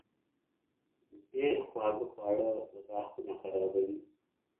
ډېر خواږه خواړه غاښونه خرابوي.